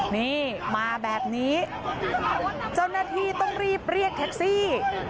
นี่มาแบบนี้เจ้าหน้าที่ต้องรีบเรียกแท็กซี่